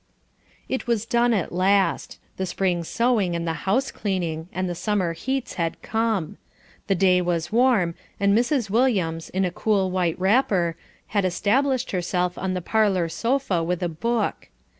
It was done at last the spring sewing and the house cleaning, and the summer heats had come. The day was warm, and Mrs. Williams, in a cool white wrapper, had established herself on the parlour sofa with a book.